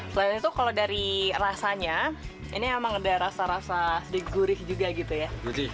selain itu kalau dari rasanya ini memang ada rasa rasa sedikit gurih juga ya